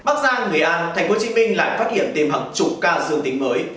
bắc giang nguyễn an tp hcm lại phát hiện tìm hẳn chục ca dương tính mới